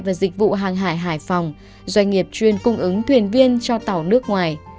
và dịch vụ hàng hải hải phòng doanh nghiệp chuyên cung ứng thuyền viên cho tàu nước ngoài